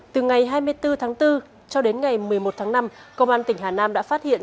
từ ngày hai mươi bốn tháng bốn cho đến ngày một mươi một tháng năm công an tỉnh hà nam đã phát hiện